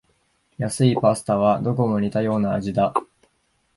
安いパスタはどこも似たような味だ